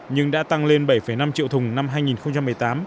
nhưng đã tăng lên bảy năm triệu thùng năm hai nghìn một mươi tám